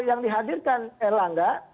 yang dihadirkan air langga